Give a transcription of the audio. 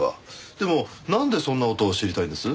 でもなんでそんな事を知りたいんです？